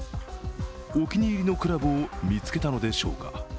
お気に入りのクラブを見つけたのでしょうか。